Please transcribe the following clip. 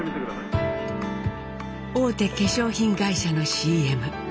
大手化粧品会社のＣＭ。